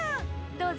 どうぞ！